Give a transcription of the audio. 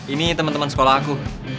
ini temen temen sekolah aku